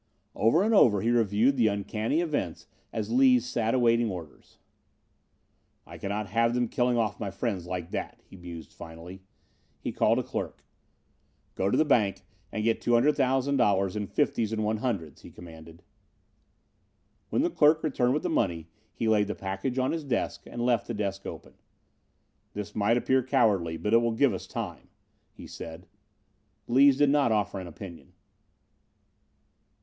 Over and over again he reviewed the uncanny events as Lees sat awaiting orders. "I cannot have them killing off my friends like that," he mused finally. He called a clerk. "Go to the bank and get $200,000 in fifties and one hundreds," he commanded. When the clerk returned with the money he laid the package on his desk and left the desk open. "This might appear cowardly, but it will give us time," he said. Lees did not offer an opinion.